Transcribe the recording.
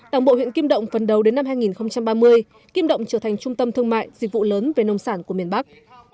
đảng bộ huyện kim động phần đầu đến năm hai nghìn ba mươi kim động trở thành trung tâm thương mại dịch vụ lớn về nông sản của miền bắc